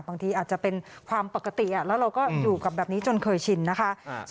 บางทีอาจจะเป็นความปกติแล้วเราก็อยู่กับแบบนี้จนเคยชินนะคะ